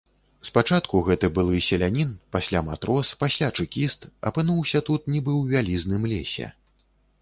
Спачатку гэты былы селянін, пасля матрос, пасля чэкіст, апынуўся тут нібы ў вялізным лесе.